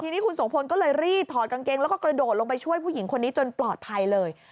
ทีนี้คุณโสพลก็เลยรีบถอดกางเกงแล้วก็กระโดดลงไปช่วยผู้หญิงคนนี้จนปลอดภัยเลย